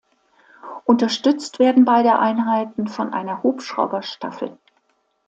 Unterstützt werden beide Einheiten von einer Hubschrauberstaffel.